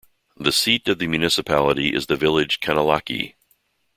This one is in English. The seat of the municipality is the village Kanallaki.